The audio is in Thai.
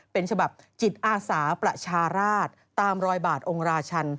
เป็นฉบับจิตอาสาประชาราชตามรอยบาทองค์ราชัน